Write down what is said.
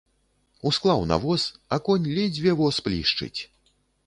Усклаў на воз, а конь ледзьве воз плішчыць.